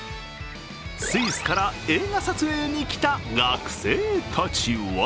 スイスから映画撮影に来た学生たちは